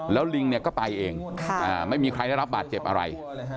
แล้วลิงเนี่ยก็ไปเองไม่มีใครได้รับบาดเจ็บอะไร